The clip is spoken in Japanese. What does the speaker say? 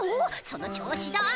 その調子だ。